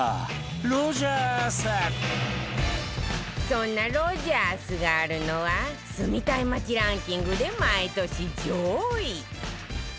そんなロヂャースがあるのは住みたい街ランキングで毎年上位